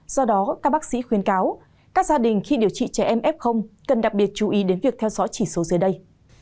do đó các bác sĩ khuyên cáo các gia đình khi điều trị trẻ em f cần đặc biệt chú ý đến việc theo dõi chỉ số dưới đây